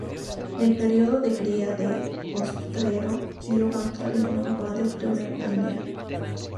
El periodo de cría de ostrero pío australiano va de octubre a enero.